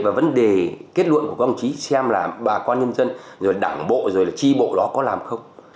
và vấn đề kết luận của các đồng chí xem là bà quan nhân dân rồi đảng bộ rồi tri bộ đó có làm không